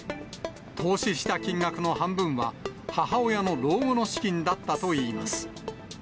投資した金額の半分は、母親の老後の資金だったといいます。